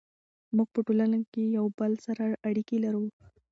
موږ په ټولنه کې یو بل سره اړیکې لرو.